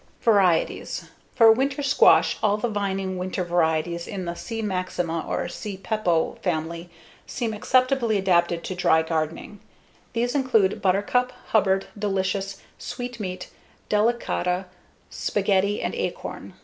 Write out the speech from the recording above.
Varieties: For winter squash, all the vining winter varieties in the C. maxima or C. pepo family seem acceptably adapted to dry gardening. These include Buttercup, Hubbard, Delicious, Sweet Meat, Delicata, Spaghetti, and Acorn.